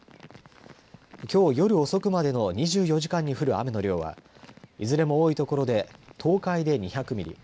きょう夜遅くまでの２４時間に降る雨の量はいずれも多い所で東海で２００ミリ